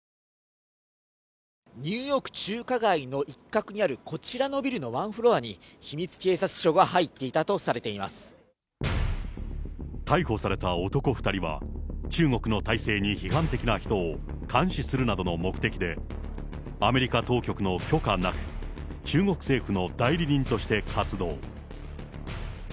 ニューヨーク、中華街の一角にあるこちらのビルのワンフロアに秘密警察署が入っ逮捕された男２人は、中国の体制に批判的な人を監視するなどの目的で、アメリカ当局の許可なく、中国政府の代理人として活動。